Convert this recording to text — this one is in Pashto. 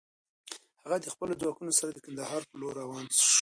هغه د خپلو ځواکونو سره د کندهار پر لور روان شو.